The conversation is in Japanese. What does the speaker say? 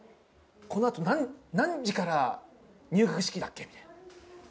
このあと、何時から入学式だっけみたいな。